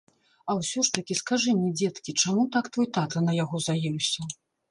А ўсё ж такі, скажы мне, дзеткі, чаму так твой тата на яго заеўся?